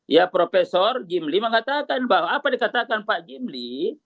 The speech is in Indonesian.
ya profesor jimli mengatakan bahwa apa dikatakan pak jimli